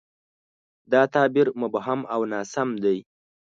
دا تعبیر مبهم او ناسم دی.